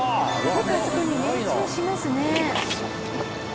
よくあそこに命中しますね。